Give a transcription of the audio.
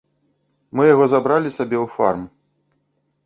Мы яго забралі сабе ў фарм.